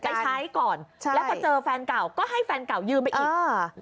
แล้วก็เจอแฟนเก่าก็ให้แฟนเก่ายืมไปอีก